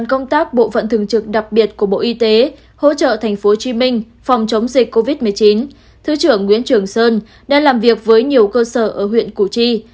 ở thành phố hồ chí minh phòng chống dịch covid một mươi chín thứ trưởng nguyễn trường sơn đã làm việc với nhiều cơ sở ở huyện củ chi